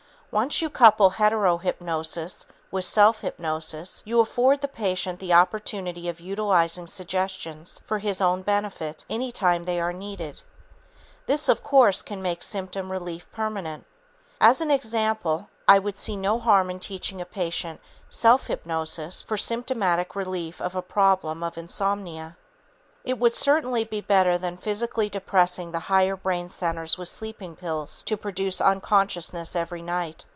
Once you couple hetero hypnosis with self hypnosis, you afford the patient the opportunity of utilizing suggestions for his own benefit any time they are needed. This, of course, can make symptom relief permanent. As an example, I would see no harm in teaching a patient self hypnosis for symptomatic relief from a problem of insomnia. It would certainly be better than physically depressing the higher brain centers with sleeping pills to produce unconsciousness every night.